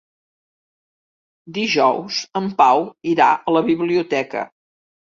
Dijous en Pau irà a la biblioteca.